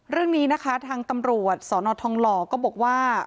เรื่องนี้นะคะทางตำรวจสนทองหล่อก็บอกว่า